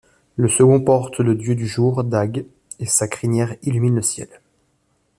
Le second porte le dieu du jour, Dag, et sa crinière illumine le ciel.